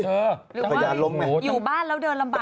หรือว่าอยู่บ้านแล้วเดินลำบาก